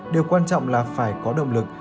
điều quan trọng là phải có động lực